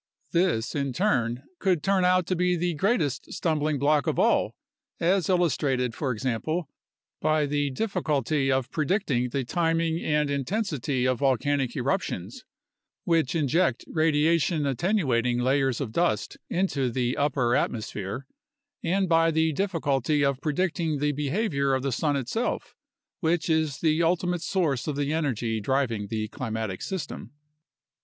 This, in turn, could turn out to be the greatest stumbling block of all, as illustrated, for example, by the difficulty of predicting the timing and intensity of vol canic eruptions (which inject radiation attenuating layers of dust into the upper atmosphere) and by the difficulty of predicting the behavior of the sun itself, which is the ultimate source of the energy driving the climatic system.